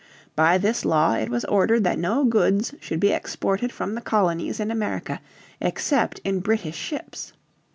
By this Law it was ordered that no goods should be exported from the colonies in America except in British ships.